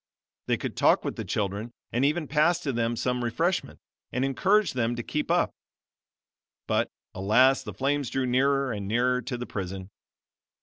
They could talk with the children, and even pass to them some refreshments, and encourage them to keep up. But, alas, the flames drew nearer and nearer to the prison.